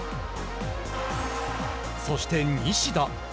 そして西田。